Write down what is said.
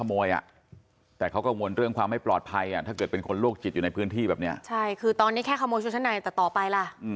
มีข้างบ้านก็เคยหาย